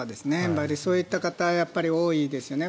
そういった方は多いですよね。